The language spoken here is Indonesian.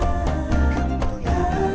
itulah kemuliaan ramadhan